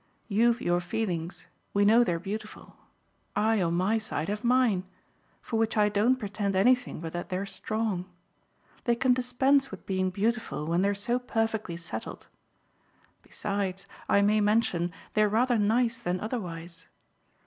You've your feelings we know they're beautiful. I, on my side, have mine for which I don't pretend anything but that they're strong. They can dispense with being beautiful when they're so perfectly settled. Besides, I may mention, they're rather nice than otherwise.